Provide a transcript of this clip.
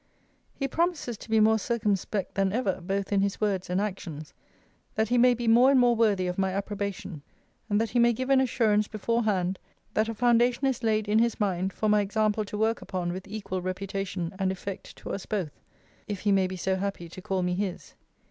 He promises to be more circumspect than ever, both in his words and actions, that he may be more and more worthy of my approbation; and that he may give an assurance before hand, that a foundation is laid in his mind for my example to work upon with equal reputation and effect to us both; if he may be so happy to call me his.